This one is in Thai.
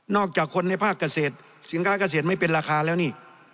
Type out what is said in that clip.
อกจากคนในภาคเกษตรสินค้าเกษตรไม่เป็นราคาแล้วนี่